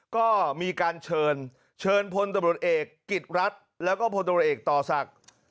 ก็มีการเชิญเชิญพลตำรวจเอกกิจรัฐแล้วก็พลตรวจเอกต่อศักดิ์